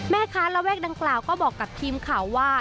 ระแวกดังกล่าวก็บอกกับทีมข่าวว่า